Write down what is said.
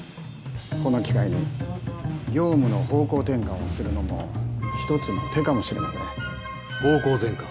この機会に業務の方向転換をするのも一つの手かもしれません方向転換